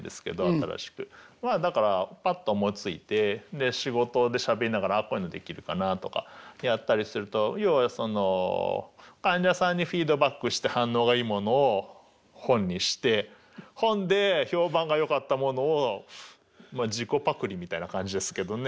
まあだからパッと思いついて仕事でしゃべりながら「あっこういうのできるかな」とかやったりすると要はその患者さんにフィードバックして反応がいいものを本にして本で評判がよかったものを自己パクりみたいな感じですけどね。